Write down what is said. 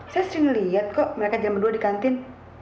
saya sering lihat kok mereka jam dua di kantin